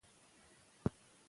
که څوکۍ وي نو ملا نه خوږیږي.